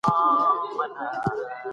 هغه وویل چې د سهار هوا د روغتیا کلي ده.